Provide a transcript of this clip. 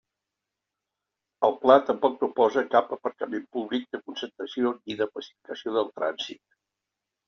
El Pla tampoc proposa cap aparcament públic de concentració ni de pacificació del trànsit.